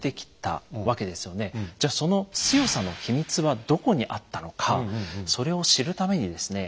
じゃその強さのヒミツはどこにあったのかそれを知るためにですね